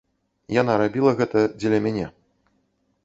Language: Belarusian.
Яна рабіла гэта дзеля мяне.